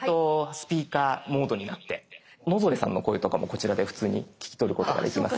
スピーカーモードになって野添さんの声とかもこちらで普通に聞き取ることができますから。